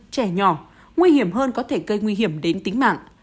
trẻ nhỏ nguy hiểm hơn có thể gây nguy hiểm đến tính mạng